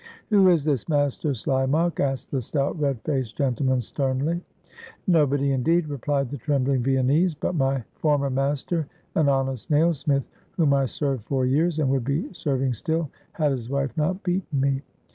"Who is this Master Slimak?" asked the stout, red faced gentleman sternly. "Nobody, indeed," replied the trembling Viennese, "but my former master, an honest nailsmith, whom I served four years, and would be serving still, had his wife not beaten me."